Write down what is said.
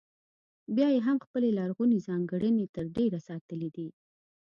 بیا یې هم خپلې لرغونې ځانګړنې تر ډېره ساتلې دي.